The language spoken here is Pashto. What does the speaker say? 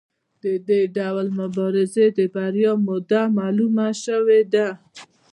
د دې ډول مبارزې د بریا موده معلومه شوې ده.